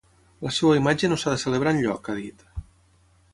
La seva imatge no s’ha de celebrar enlloc, ha dit.